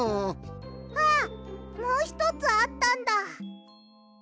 あっもうひとつあったんだ。